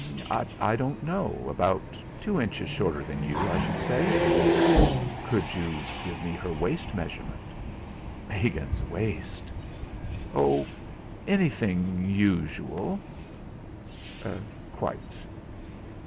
"I don't know; about two inches shorter than you, I should say." "Could you give me her waist measurement?" Megan's waist! "Oh! anything usual!" "Quite!"